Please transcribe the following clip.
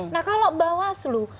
nah kalau bawas lu